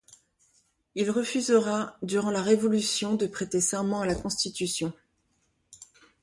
Il refusera, durant la Révolution, de prêter serment à la Constitution.